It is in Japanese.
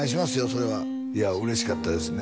それはいや嬉しかったですね